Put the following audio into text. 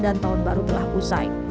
dan tahun baru telah usai